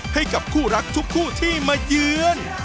ให้กับคู่รักทุกที่มายืน